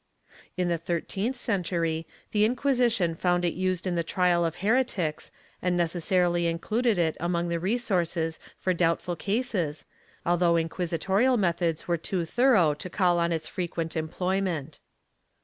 * In the thir teenth century, the Inquisition found it used in the trial of heretics and necessarily included it among the resources for doubtful cases, although inquisitorial methods were too thorough to call or its frequent employment.